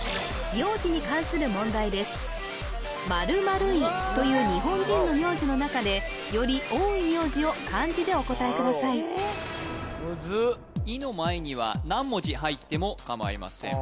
名字に関する問題です「○井」という日本人の名字の中でより多い名字を漢字でお答えください「井」の前には何文字入ってもかまいません